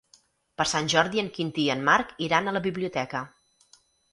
Per Sant Jordi en Quintí i en Marc iran a la biblioteca.